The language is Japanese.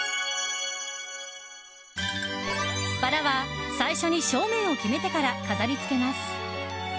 バラは最初に正面を決めてから飾り付けます。